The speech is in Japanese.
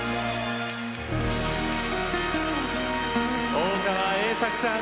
大川栄策さん